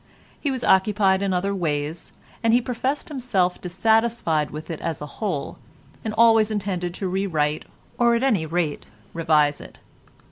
He was occupied in other ways, and he professed himself dissatisfied with it as a whole, and always intended to rewrite or at any rate to revise it.